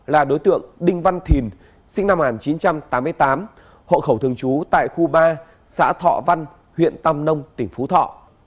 là đối tượng đinh văn thìn sinh năm một nghìn chín trăm tám mươi tám hộ khẩu thường trú tại khu ba xã thọ văn huyện tam nông tỉnh phú thọ